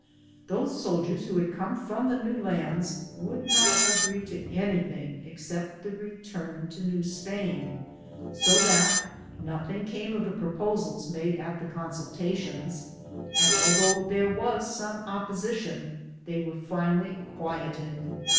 Those soldiers who* had come from the new lands would not agree to anything except the return to New Spain, so that nothing came of the proposals made at the consultations, and although there was some opposition, they were finally quieted.